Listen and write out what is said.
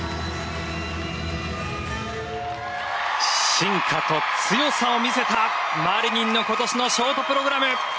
進化と強さを見せたマリニンの今年のショートプログラム！